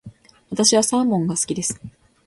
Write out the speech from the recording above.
私はサーモンが好きです。